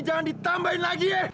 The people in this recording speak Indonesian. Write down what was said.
jangan nambahin masalah gue